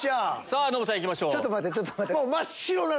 さぁノブさん行きましょう。